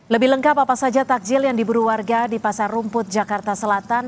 lebih lengkap apa saja takjil yang diburu warga di pasar rumput jakarta selatan